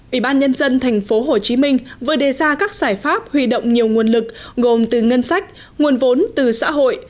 ủy ban nhân dân tp hcm vừa đề ra các giải pháp huy động nhiều nguồn lực gồm từ ngân sách nguồn vốn từ xã hội